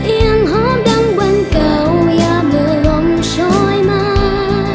ยังหอบดังวันเก่ายามเมื่อลมช้อยมา